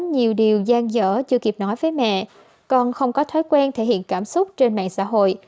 nhiều gian dở chưa kịp nói với mẹ con không có thói quen thể hiện cảm xúc trên mạng xã hội